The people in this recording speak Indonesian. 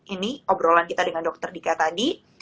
ini obrolan kita dengan dokter dika tadi